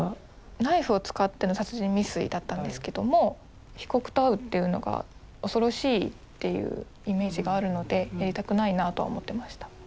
ナイフを使っての殺人未遂だったんですけども被告と会うっていうのが恐ろしいっていうイメージがあるのでやりたくないなとは思ってました。